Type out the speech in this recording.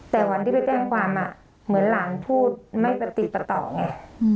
แต่วันที่ไปแจ้งความเหมือนหลานพูดไม่ประติดประต่อไง